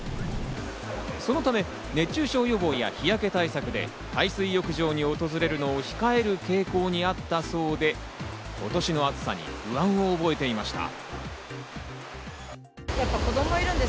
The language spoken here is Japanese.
そのため熱中症予防や日焼け対策で海水浴場に訪れるのを控える傾向にあったそうで、今年の暑さに不安を覚えていました。